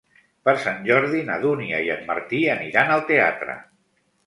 Per Sant Jordi na Dúnia i en Martí aniran al teatre.